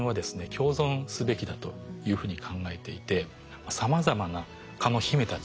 共存すべきだというふうに考えていてさまざまな蚊の秘めた力。